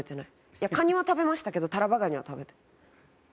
いやカニは食べましたけどタラバガニは食べて。